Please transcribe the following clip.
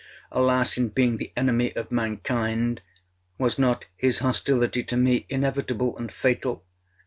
Alas! in being the enemy of mankind, was not his hostility to me inevitable and fatal?